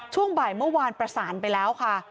ช่วงบ่ายเมื่อวานประสานไปแล้วค่ะ